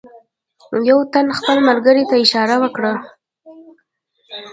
یوه تن خپل ملګري ته اشاره وکړه.